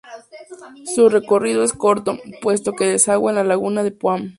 Su recorrido es corto, puesto que desagua en la la laguna de Puan.